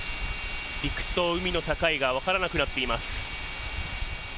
陸と海の境が分からなくなっています。